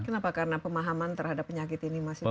kenapa karena pemahaman terhadap penyakit ini masih banyak